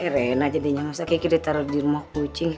rena jadinya masa kiki ditaruh di rumah kucing